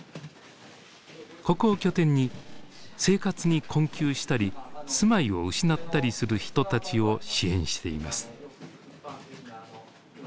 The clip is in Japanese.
ここを拠点に生活に困窮したり住まいを失ったりする人たちを支援しています。